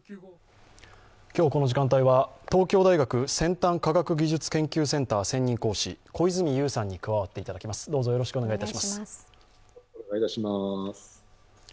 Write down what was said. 今日この時間帯は、東京大学先端科学技術研究センター専任講師、小泉悠さんに加わっていただきます。